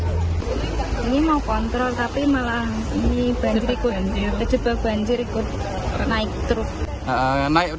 ini mau kontrol tapi malah ini terjebak banjir ikut naik truk